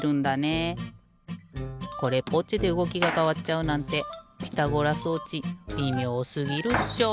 これっぽっちでうごきがかわっちゃうなんてピタゴラ装置びみょうすぎるっしょ。